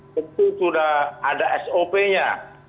tentu sudah ada sop nya